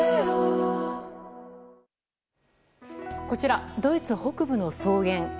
こちら、ドイツ北部の草原。